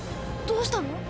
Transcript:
どうしたの？